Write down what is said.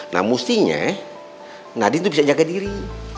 nah mestinya nadine tuh bisa jaga diri